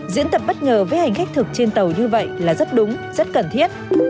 diễn tập bất ngờ với hành khách thực trên tàu như vậy là rất đúng rất cần thiết